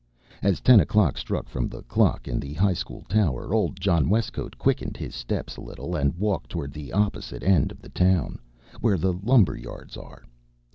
As ten o'clock struck from the clock in the High School tower, old John Westcote quickened his steps a little and walked toward the opposite end of the town, where the lumber yards are.